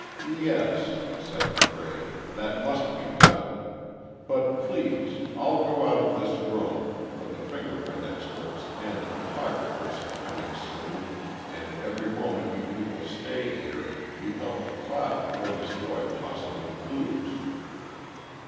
"Yes," said Cray, "that must be done. But, please, all go out of this room, for the finger print experts and the photographers are coming soon, and every moment you people stay here, you help to cloud or destroy possible clues."